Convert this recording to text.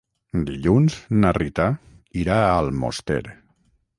Dilluns na Rita irà a Almoster.